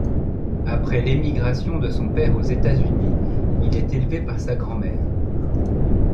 Après l'émigration de son père aux États-Unis, il est élevé par sa grand-mère.